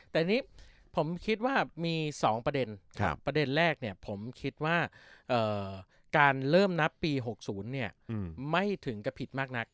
แต่นี่ผมคิดว่ามี๒ประเด็นประเด็นแรกผมคิดว่าการเริ่มนับปี๖๐ไม่ถึงกับผิดมากนัก